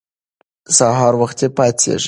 سهار وختي پاڅیږئ.